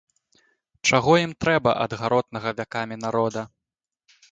Чаго ім трэба ад гаротнага вякамі народа?